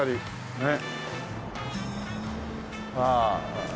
ねっ。